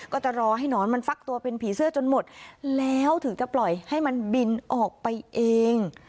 ก็จะรอให้หนอนมันฟักตัวเป็นผีเสื้อจนหมดแล้วถึงจะปล่อยให้มันบินออกไปเอง